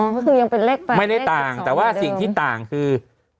ก็คือยังเป็นเลขไปไม่ได้ต่างแต่ว่าสิ่งที่ต่างคือ